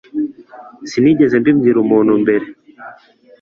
Sinigeze mbibwira umuntu mbere.